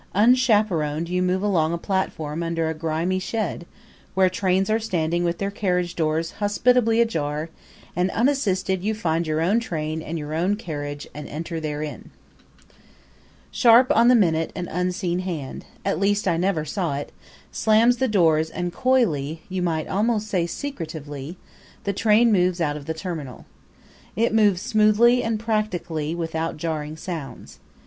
Unchaperoned you move along a long platform under a grimy shed, where trains are standing with their carriage doors hospitably ajar, and unassisted you find your own train and your own carriage, and enter therein. Sharp on the minute an unseen hand at least I never saw it slams the doors and coyly you might almost say secretively the train moves out of the terminal. It moves smoothly and practically without jarring sounds.